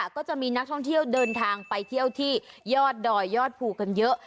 ก็จะมีนักท่องเที่ยวเดินทางไปเที่ยวที่ยอดดอยยอดภูกันเยอะ